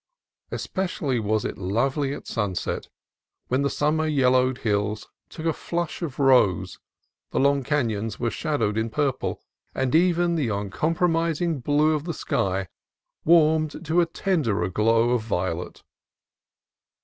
Especially was it lovely at sunset, when the summer yellowed hills took a flush of rose, the long canons were shadowed in purple, and even the uncompro mising blue of the sky warmed to a tenderer glow of violet.